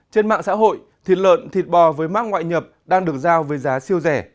trên mạng xã hội thịt lợn thịt bò với mát ngoại nhập đang được giao với giá siêu rẻ